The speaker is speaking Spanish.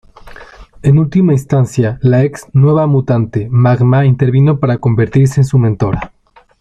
En última instancia, la ex Nueva Mutante, Magma intervino para convertirse en su mentora.